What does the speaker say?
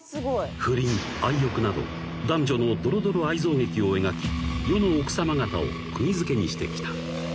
［不倫愛欲など男女のどろどろ愛憎劇を描き世の奥さま方を釘付けにしてきた］